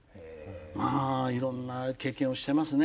まあいろんな経験をしてますね。